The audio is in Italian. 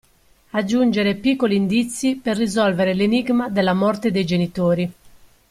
Aggiungere piccoli indizi per risolvere l'enigma della morte dei genitori.